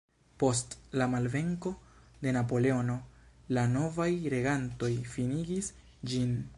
Post la malvenko de Napoleono, la novaj regantoj finigis ĝin.